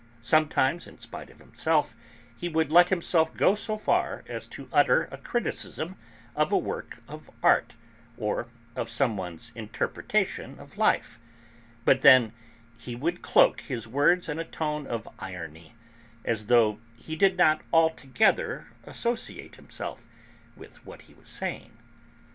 Sometimes, in spite of himself, he would let himself go so far as to utter a criticism of a work of art, or of some one's interpretation of life, but then he would cloak his words in a tone of irony, as though he did not altogether associate himself with what he was saying.